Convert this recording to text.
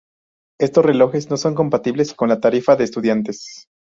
Estos relojes no son compatibles con la tarifa de estudiantes.